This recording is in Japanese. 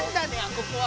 ここは。